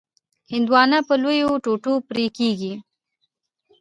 هندوانه په لویو ټوټو پرې کېږي.